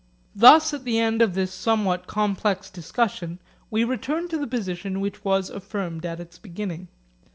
Thus at the end of this somewhat complex discussion, we return to the position which was affirmed at its beginning.